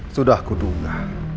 sudah aku dunga